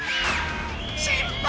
失敗！